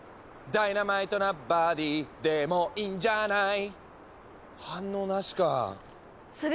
「ダイナマイトなバディでもいいんじゃない」